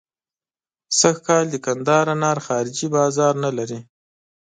سږکال د کندهار انار خارجي بازار نه لري.